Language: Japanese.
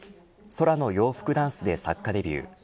空の洋服だんすで作家デビュー。